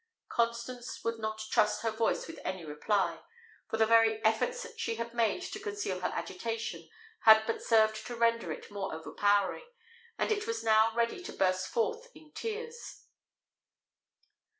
Constance would not trust her voice with any reply; for the very efforts she had made to conceal her agitation had but served to render it more overpowering, and it was now ready to burst forth in tears.